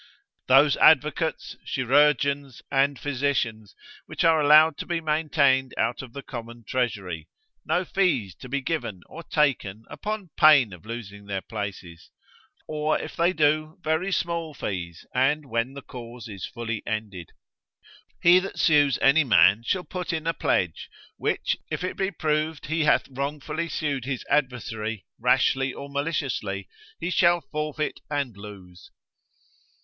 Those advocates, chirurgeons, and physicians, which are allowed to be maintained out of the common treasury, no fees to be given or taken upon pain of losing their places; or if they do, very small fees, and when the cause is fully ended. He that sues any man shall put in a pledge, which if it be proved he hath wrongfully sued his adversary, rashly or maliciously, he shall forfeit, and lose.